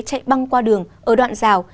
chạy băng qua đường ở đoạn rào